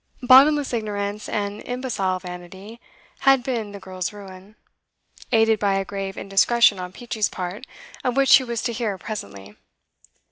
Bottomless ignorance and imbecile vanity had been the girl's ruin, aided by a grave indiscretion on Peachey's part, of which he was to hear presently.